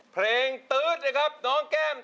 เพลงตื๊ดนะครับน้องแก้ม